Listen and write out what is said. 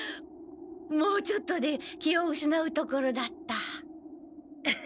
もうちょっとで気をうしなうところだった。